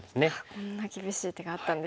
こんな厳しい手があったんですね。